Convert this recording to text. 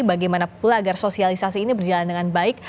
bagaimana pula agar sosialisasi ini berjalan dengan baik